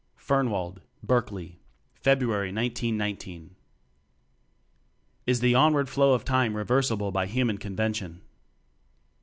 Fernwald, Berkeley, February, 1919. IS THE ONWARD FLOW OF TIME REVERSIBLE BY HUMAN CONVENTION?